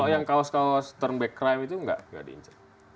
kalau yang kaos kaos turn back crime itu nggak diincar